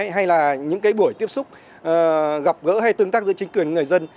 hay là những cái buổi tiếp xúc gặp gỡ hay tương tác giữa chính quyền người dân